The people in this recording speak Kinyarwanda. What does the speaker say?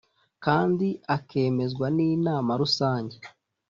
kandi akemezwa n inama rusange